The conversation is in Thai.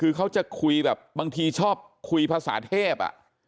คือเขาจะคุยแบบบางทีชอบคุยภาษาเทพ